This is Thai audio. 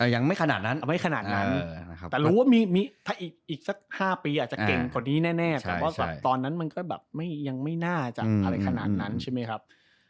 ยังไม่ขนาดนั้นแต่รู้ว่าอีกสัก๕ปีอาจจะเก่งกว่านี้แน่แต่ว่าตอนนั้นมันก็ยังไม่น่าจะอะไรขนาดนั้นใช่ไหมครับ